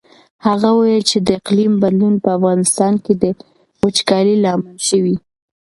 هغه وویل چې د اقلیم بدلون په افغانستان کې د وچکالۍ لامل شوی.